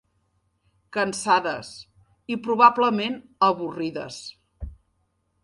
Cansades, i probablement avorrides.